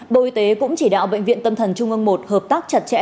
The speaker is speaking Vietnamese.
bộ y tế cũng chỉ đạo bệnh viện tâm thần trung ương một hợp tác chặt chẽ